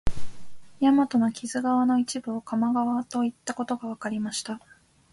大和の木津川の一部分を鴨川といったことがわかりました